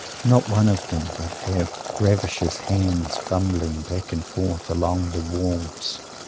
Not one of them but have lavisher's hands, fumbling, back and forth, along the walls.